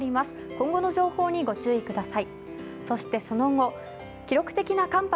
今後の情報にご注意ください。